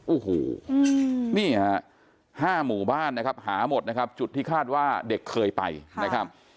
โอ้โหนี่ฮะ๕หมู่บ้านนะครับหาหมดนะครับจุดที่คาดว่าเด็กเคยไปนะครับ